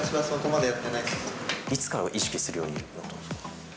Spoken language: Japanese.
いつから意識するようになったんですか？